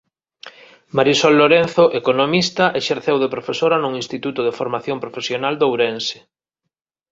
Marisol Lorenzo, economista, exerceu de profesora nun instituto de Formación Profesional de Ourense.